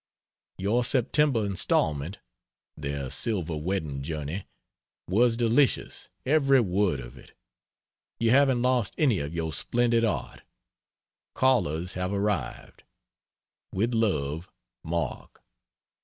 Your September instalment ["Their Silver Wedding journey."] was delicious every word of it. You haven't lost any of your splendid art. Callers have arrived. With love MARK.